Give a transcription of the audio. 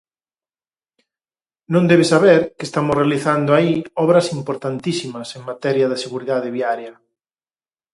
Non debe saber que estamos realizando aí obras importantísimas en materia de seguridade viaria.